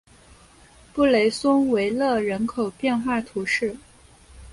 布雷松维勒人口变化图示